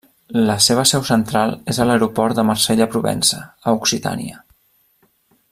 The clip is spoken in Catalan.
La seva seu central és a l'aeroport de Marsella-Provença, a Occitània.